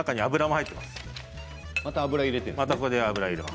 また油を入れる。